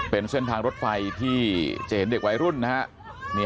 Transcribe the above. เป็นเส้นทางรถไฟที่จะเห็นเด็กวัยรุ่นนะฮะ